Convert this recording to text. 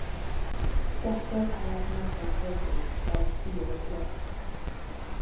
Gellir ei adnabod heddiw fel Sir y Fflint.